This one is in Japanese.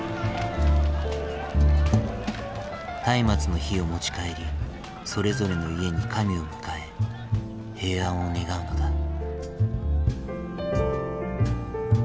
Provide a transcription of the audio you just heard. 松明の火を持ち帰りそれぞれの家に神を迎え平安を願うのだ。